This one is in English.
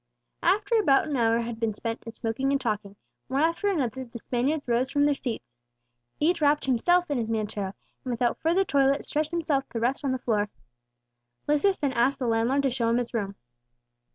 After about an hour had been spent in smoking and talking, one after another the Spaniards rose from their seats; each wrapped himself in his mantero, and without further toilet stretched himself to rest on the floor. Lucius then asked the landlord to show him his room.